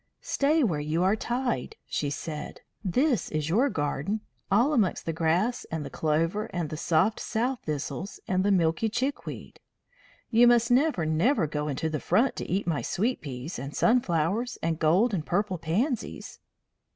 "Stay where you are tied," she said. "This is your garden, all amongst the grass and the clover and the soft sow thistles and the milky chickweed. You must never, never go into the front to eat my sweet peas and sunflowers and gold and purple pansies."